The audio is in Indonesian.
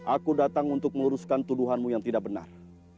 aku datang untuk meluruskan tuduhanmu yang tidak benar